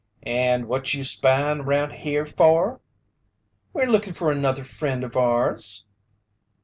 "And what you spyin' around here for?" "We're looking for another friend of ours."